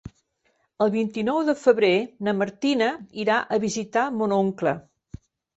El vint-i-nou de febrer na Martina irà a visitar mon oncle.